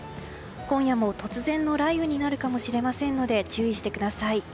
今夜も突然の雷雨になるかもしれませんので注意してください。